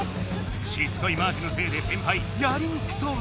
しつこいマークのせいで先輩やりにくそうだ。